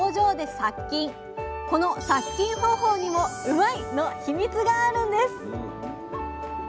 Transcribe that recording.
この殺菌方法にもうまいッ！のヒミツがあるんです